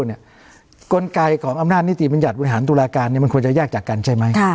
ก้นกรรยายของอำนาจนิติมนตย์หลังตุลาการมันควรจะแยกจากกันใช่มั้ย